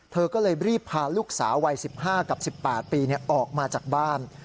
เธอก็เลยรีบพาลูกสาววัย๑๕กับ๑๘ปีออกมาจากบ้าน